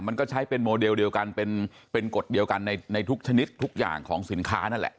มันก็ใช้เป็นโมเดลเดียวกันเป็นกฎเดียวกันในทุกชนิดทุกอย่างของสินค้านั่นแหละ